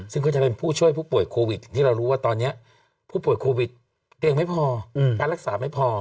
ซึ่งก็จะเป็นผู้ช่วยผู้ป่วยโควิดอย่างที่เรารู้ว่าตอนนี้ผู้ป่วยโควิดเตียงไม่พอการรักษาไม่พอ